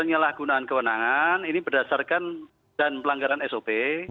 penyalahgunaan kewenangan ini berdasarkan dan pelanggaran sop